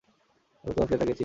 আমি আমার ক্রেতাকে চিনি।